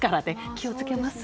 気を付けます。